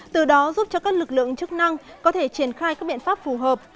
từ đó giúp cho các lực lượng chức năng có thể triển khai các biện pháp phù hợp